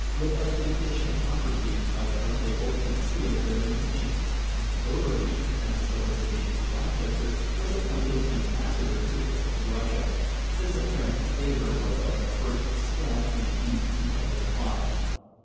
With a fiendish hypocrisy, however, they both concealed their intentions; and Overbury, at the solicitation of Rochester, was appointed ambassador to the court of Russia. This apparent favour was but the first step in a deep and deadly plot.